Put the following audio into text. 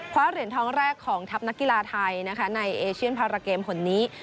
เหรียญทองแรกของทัพนักกีฬาไทยนะคะในเอเชียนพาราเกมคนนี้